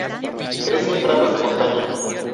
Crece en prados de montaña.